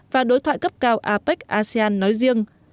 và đối thoại cấp cao apec asean nói riêng